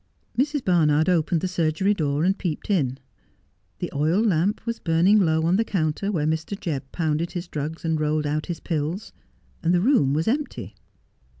Mrs. Barnard opened the surgery door and peeped in. The oil lamp was burning low on the counter where Mr. Jebb pounded his drugs and rolled out his pills, and the room was empty.